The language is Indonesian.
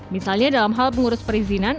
misalnya dalam hal pengurus perizinan